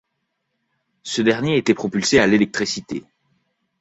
Ce dernier était propulsé à l'électricité.